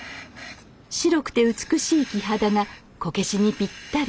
白くて美しい木肌がこけしにぴったり。